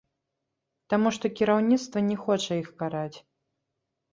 Таму што кіраўніцтва не хоча іх караць.